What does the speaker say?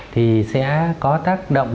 thì sẽ có tác động